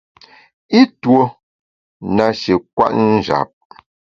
I tuo nashi kwet njap.